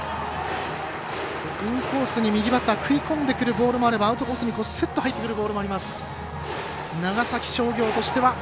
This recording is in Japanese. インコースに右バッター食い込んでくるボールもあればアウトコースにスッと入ってくるボールもあります。